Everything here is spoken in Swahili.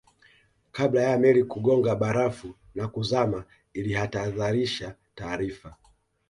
kabla ya meli kugonga barafu na kuzama ilitahadharisha taarifa